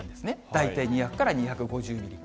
大体２００から２５０ミリ。